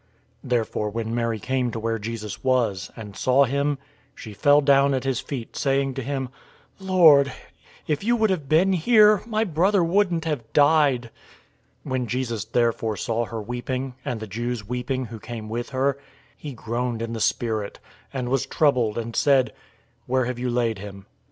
011:032 Therefore when Mary came to where Jesus was, and saw him, she fell down at his feet, saying to him, "Lord, if you would have been here, my brother wouldn't have died." 011:033 When Jesus therefore saw her weeping, and the Jews weeping who came with her, he groaned in the spirit, and was troubled, 011:034 and said, "Where have you laid him?"